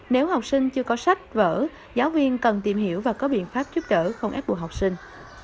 nếu học sinh chưa có sách vở giáo viên cần tìm hiểu và có biện pháp giúp đỡ không ép buộc học sinh